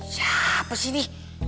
siapa sih ini